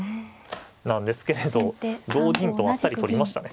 なんですけれど同銀とあっさり取りましたね。